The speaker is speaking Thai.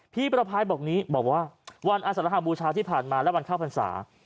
พี่ประภัยบอกนี้บอกว่าวันอสรหาบูชาที่ผ่านมาและวันเข้าพรรษา